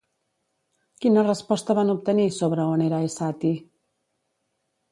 Quina resposta van obtenir sobre on era Es-Satti?